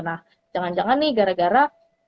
nah jangan jangan nih gara gara